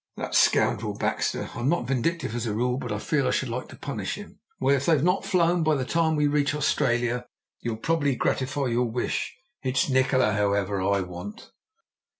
"That scoundrel Baxter! I'm not vindictive as a rule, but I feel I should like to punish him." "Well, if they've not flown by the time we reach Australia, you'll probably be able to gratify your wish. It's Nikola, however, I want."